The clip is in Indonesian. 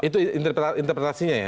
itu interpretasinya ya